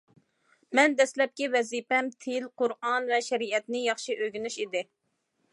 مەن دەسلەپكى ۋەزىپەم تىل، قۇرئان ۋە شەرىئەتنى ياخشى ئۆگىنىش ئىدى.